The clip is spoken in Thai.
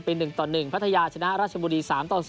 ไป๑๑พัทยาชนะราชบุรี๓๐